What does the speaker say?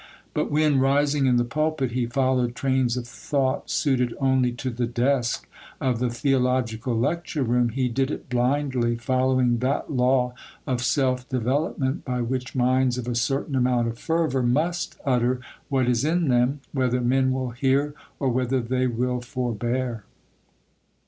But when, rising in the pulpit, he followed trains of thought suited only to the desk of the theological lecture room, he did it blindly, following that law of self development by which minds of a certain amount of fervour must utter what is in them, whether men will hear or whether they will forbear.